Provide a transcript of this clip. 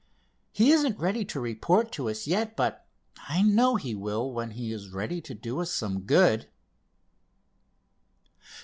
He isn't ready to report to us yet, but I know he will when he is ready to do us some good."